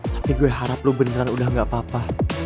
tapi gue harap lu beneran udah gak apa apa